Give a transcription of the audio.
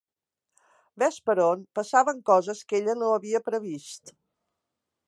Vés per on, passaven coses que ella no havia previst.